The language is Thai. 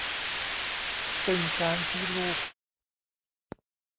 ซึ่งการที่ลูก